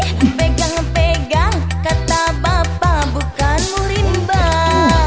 ih pegang pegang kata bapak bukan murimbang